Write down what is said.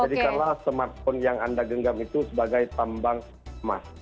jadikanlah smartphone yang anda genggam itu sebagai tambang emas